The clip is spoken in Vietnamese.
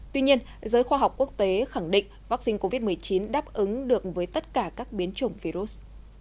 tuy nhiên giới khoa học quốc tế khẳng định vaccine covid một mươi chín đáp ứng được với tất cả các biến chủng virus